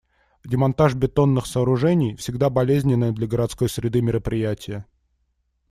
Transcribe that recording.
Демонтаж бетонных сооружений — всегда болезненное для городской среды мероприятие.